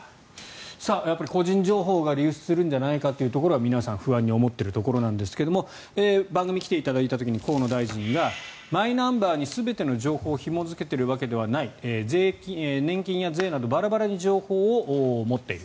個人情報が流出するんじゃないかというのが皆さん不安に思っているところなんですが番組に来た時に河野大臣がマイナンバーに全ての情報をひも付けているわけではない年金や税などバラバラに情報を持っている。